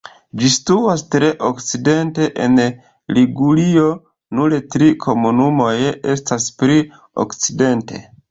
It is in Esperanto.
Ĝi situas tre okcidente en Ligurio; nur tri komunumoj estas pli okcidente.